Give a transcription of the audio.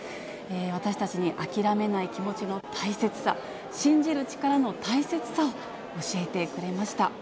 私たちに、諦めない気持ちの大切さ、信じる力の大切さを教えてくれました。